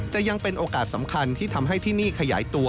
แต่ยังเป็นโอกาสสำคัญที่ทำให้ที่นี่ขยายตัว